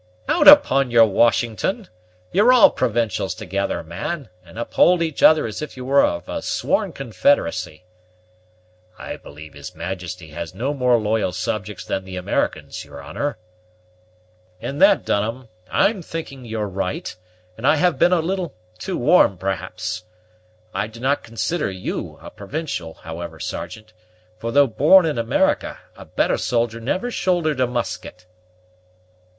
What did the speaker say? "Out upon your Washington! You're all provincials together, man, and uphold each other as if you were of a sworn confederacy." "I believe his majesty has no more loyal subjects than the Americans, your honor." "In that, Dunham, I'm thinking you're right; and I have been a little too warm, perhaps. I do not consider you a provincial, however, Sergeant; for though born in America, a better soldier never shouldered a musket."